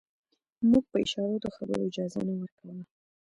موږ په اشارو د خبرو اجازه نه ورکوله.